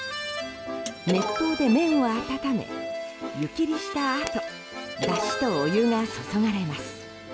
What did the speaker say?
熱湯で麺を温め、湯切りしたあとだしとお湯が注がれます。